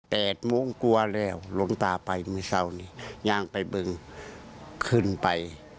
มุ้งกลัวแล้วหลวงตาไปนี่เศร้านี่ย่างไปบึงขึ้นไป